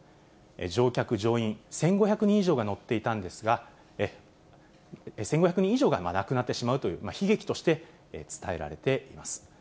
乗客・乗員１５００人以上が乗っていたんですが、１５００人以上が亡くなってしまうという悲劇として伝えられています。